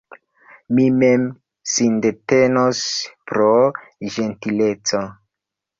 Mi mem sindetenos – pro ĝentileco.